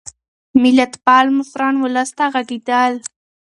ملتپال مشران ولس ته غږېدل.